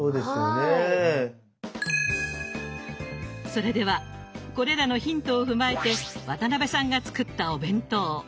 それではこれらのヒントを踏まえて渡辺さんが作ったお弁当。